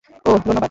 ওহ্, ধন্যবাদ।